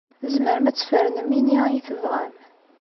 Tzemrem ad tfernem ini ay tebɣam.